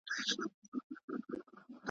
هم بچی اندام اندام دی هم ابا په وینو سور دی ,